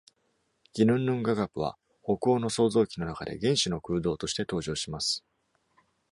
ギヌンヌンガガプは、北欧の創造記の中で、原始の空洞として登場します。